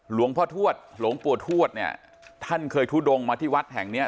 หลวงพ่อทวดหลวงปู่ทวดเนี่ยท่านเคยทุดงมาที่วัดแห่งเนี้ย